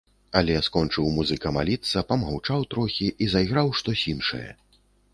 Але скончыў музыка маліцца, памаўчаў трохі і зайграў штось іншае.